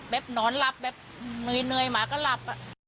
แบบหนอนหลับเหนื่อยหมาก็หลับ